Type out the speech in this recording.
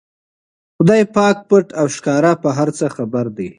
خدای پاک پټ او ښکاره په هر څه خبر دی.